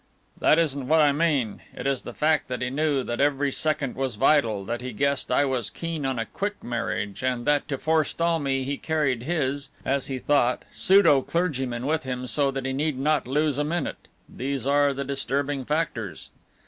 "That isn't what I mean. It is the fact that he knew that every second was vital, that he guessed I was keen on a quick marriage and that to forestall me he carried his (as he thought) pseudo clergyman with him so that he need not lose a minute: these are the disturbing factors."